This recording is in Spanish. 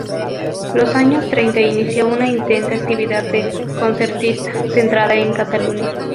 Los años treinta inició una intensa actividad de concertista, centrada en Cataluña.